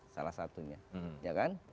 salah satunya ya kan